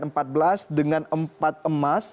peringkat ke empat belas dengan empat emas